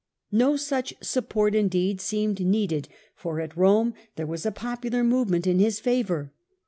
No such support, indeed, seemed needed, for at Rome there was a popular movement in his favour.